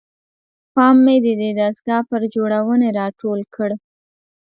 پام مې ددې دستګاه پر جوړونې راټول کړ.